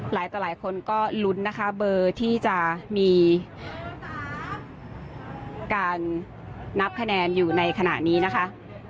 ต่อหลายคนก็ลุ้นนะคะเบอร์ที่จะมีการนับคะแนนอยู่ในขณะนี้นะคะ